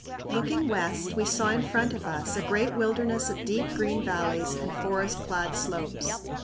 Looking west, we saw in front of us a great wilderness of deep green valleys and forest clad slopes.